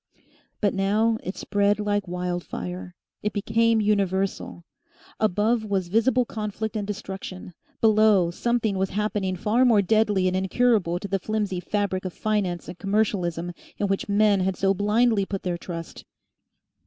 But now it spread like wild fire, it became universal. Above was visible conflict and destruction; below something was happening far more deadly and incurable to the flimsy fabric of finance and commercialism in which men had so blindly put their trust.